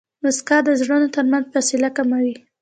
موسکا د زړونو ترمنځ فاصله کموي.